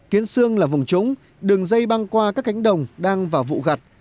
kiến sương là vùng trúng đường dây băng qua các cánh đồng đang vào vụ gặt